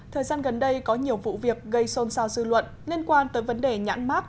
thời gian gần đây có nhiều vụ việc gây xôn xao dư luận liên quan tới vấn đề nhãn mát